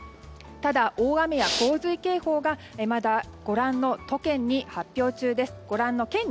ただ、大雨や洪水警報がまだ、ご覧の県に発表中です。